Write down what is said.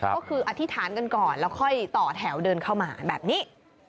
ก็คืออธิษฐานกันก่อนแล้วค่อยต่อแถวเดินเข้ามาแบบนี้